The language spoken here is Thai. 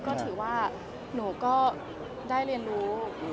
ก็ถือว่าหนูก็ได้เรียนรู้